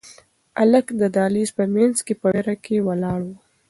هلک د دهلېز په منځ کې په وېره کې ولاړ و.